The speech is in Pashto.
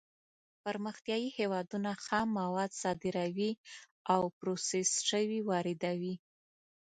پرمختیايي هېوادونه خام مواد صادروي او پروسس شوي واردوي.